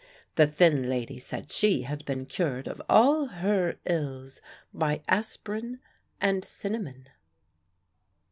The thin lady said she had been cured of all her ills by aspirin and cinnamon.